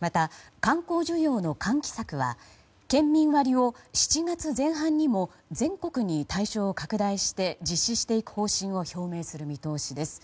また観光需要の喚起策は県民割を７月前半にも全国に対象を拡大して実施していく方針を表明する見通しです。